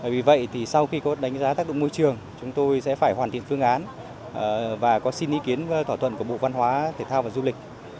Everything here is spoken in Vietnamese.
vì vậy thì sau khi có đánh giá tác động môi trường chúng tôi sẽ phải hoàn thiện phương án và có xin ý kiến thỏa thuận của bộ văn hóa thể thao và du lịch